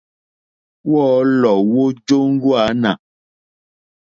Wɔ́ɔ̌lɔ̀ wó jóŋɡwânà.